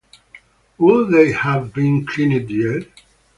Would they have been cleaned yet?